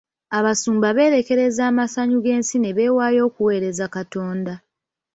Abasumba beerekereza amasanyu g'ensi ne beewaayo okuweereza Katonda.